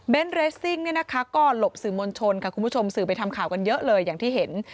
เบนท์เรสซิ่งก็หลบสื่อมณชนกับคุณผู้ชมสื่อไปทำข่าวกันเยอะเลยอย่างที่เห็น